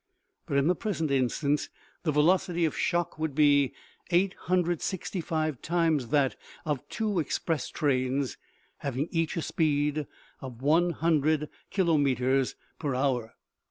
But in the present instance the velocity of shock would be 865 times that of two express trains having each a speed of one hundred kilometers per hour.